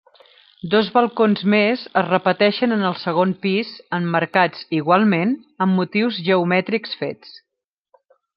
Dos balcons més es repeteixen en el segon pis, emmarcats, igualment, amb motius geomètrics fets.